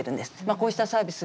こうしたサービス